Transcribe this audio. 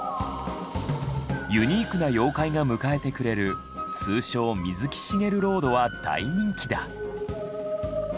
ユニークな妖怪が迎えてくれる通称「水木しげるロード」は大人気だ。